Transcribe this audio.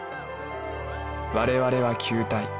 我々は球体。